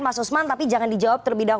mas usman tapi jangan dijawab terlebih dahulu